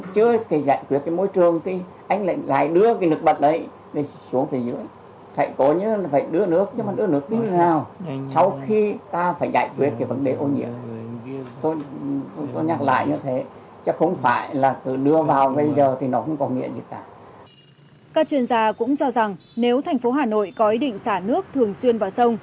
các chuyên gia cũng cho rằng nếu thành phố hà nội có ý định xả nước thường xuyên vào sông